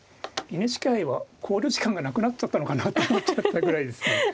ＮＨＫ杯は考慮時間がなくなっちゃったのかなと思っちゃったぐらいですけど。